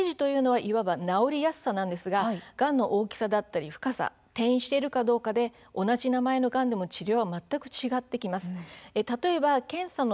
ステージというのはいわば治りやすさなんですががんの大きさだったり深さ、転移しているかどうかで同じ名前のがんでも治療が全く違ってきます。